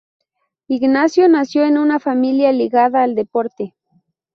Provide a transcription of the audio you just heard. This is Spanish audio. Ignacio nació en una familia ligada al deporte.